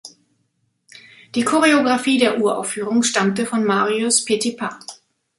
Die Choreographie der Uraufführung stammte von Marius Petipa.